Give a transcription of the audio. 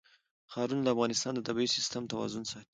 ښارونه د افغانستان د طبعي سیسټم توازن ساتي.